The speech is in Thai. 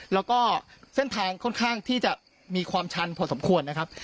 แล้วก็เส้นทางค่อนข้างที่จะมีความชันพอสมควรนะครับ